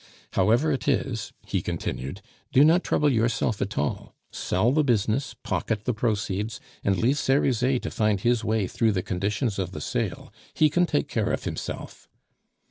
However it is," he continued, "do not trouble yourself at all; sell the business, pocket the proceeds, and leave Cerizet to find his way through the conditions of the sale he can take care of himself."